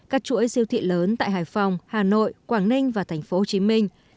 các chuỗi siêu thị lớn tại hải phòng hà nội quảng ninh và thành phố hồ chí minh